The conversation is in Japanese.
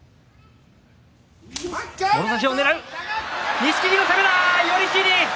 錦木の攻めだ、寄り切り。